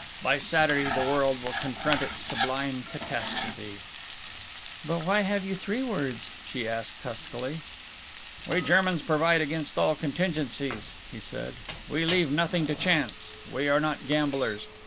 By Saturday the world will confront its sublime catastrophe." "But why have you three words?" she asked huskily. "We Germans provide against all contingencies," he said, "we leave nothing to chance. We are not gamblers.